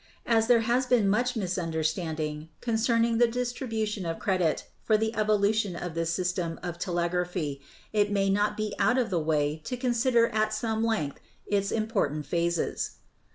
As there has been much misunderstanding concerning the distribution of credit for the evolution of this system of telegraphy, it may not be out of the way to consider at some length its more important phases.